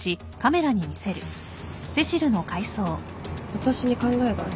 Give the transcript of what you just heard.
私に考えがある